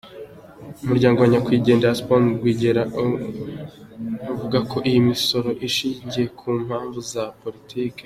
Umuryango wa Nyakwigendera Assinapol Rwigara uvuga ko iyi misoro ishingiye ku mpamvu za Politiki.